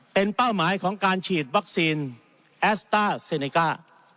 เป็นเป้าหมายของการฉีดวัคซีนแอสต้าเซเนก้า